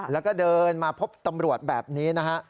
แล้วก็เดินมาพบตำรวจแบบนี้นะฮะ